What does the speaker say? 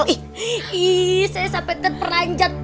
ih saya sampai terperanjat